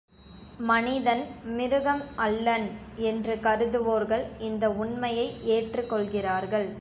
மனிதன் மிருகம் அல்லன் என்று கருதுவோர்கள் இந்த உண்மையை ஏற்றுக் கொள்கிறார்கள்.